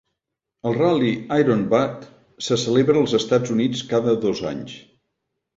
El Rally Iron Butt se celebra als Estats Units cada dos anys.